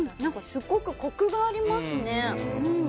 すごくコクがありますね。